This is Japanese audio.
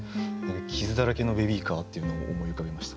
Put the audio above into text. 傷だらけのベビーカーっていうのを思い浮かべました。